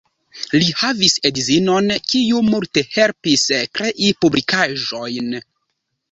Li havis edzinon, kiu multe helpis krei publikaĵojn.